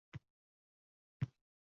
Аxir hukm oʼtkazmoqda qish.